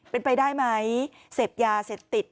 เป็นไปได้ไหมเสพยาเสพติด